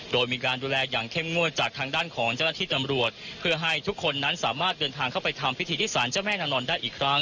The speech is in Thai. โดยมีการดูแลอย่างเข้มงวดจากทางด้านของเจ้าหน้าที่ตำรวจเพื่อให้ทุกคนนั้นสามารถเดินทางเข้าไปทำพิธีที่สารเจ้าแม่นางนอนได้อีกครั้ง